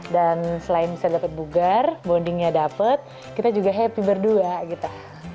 dan selain bisa dapat bugar bondingnya dapat kita juga happy berdua